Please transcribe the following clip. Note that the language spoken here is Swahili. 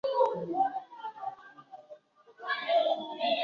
yaliomweka madarakani adira jorin anayeugwa mkono na jeshi la nchi hiyo